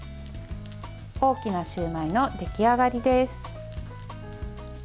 大きなシューマイの出来上がりです。